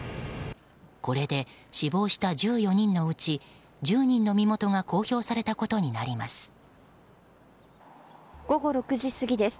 これで死亡した１４人のうち１０人の身元が公表されたことになります。